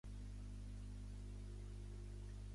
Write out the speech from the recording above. La Calday Grange Grammar School està situada a Caldy Hill.